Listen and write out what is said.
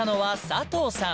佐藤さん）